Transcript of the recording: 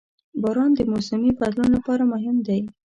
• باران د موسمي بدلون لپاره مهم دی.